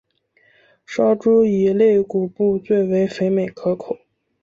烧猪以肋骨部最为肥美可口。